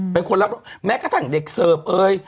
เป็นคนรับแม้กระทั่งเด็กเสิร์ฟเอ่ย